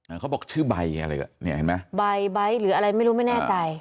เขาบอกชื่อใบอะไรก็เนี่ยเห็นไหมใบใบหรืออะไรไม่รู้ไม่แน่ใจ